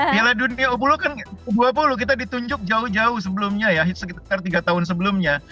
piala dunia u dua puluh kan u dua puluh kita ditunjuk jauh jauh sebelumnya ya sekitar tiga tahun sebelumnya